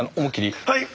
はい。